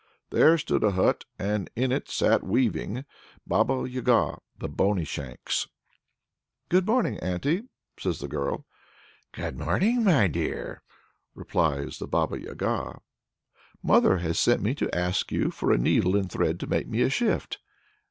There stood a hut, and in it sat weaving the Baba Yaga, the Bony shanks. "Good morning, auntie," says the girl. "Good morning, my dear," replies the Baba Yaga. "Mother has sent me to ask you for a needle and thread to make me a shift."